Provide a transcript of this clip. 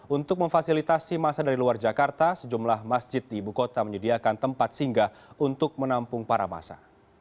untuk memfasilitasi masa dari luar jakarta sejumlah masjid di ibu kota menyediakan tempat singgah untuk menampung para massa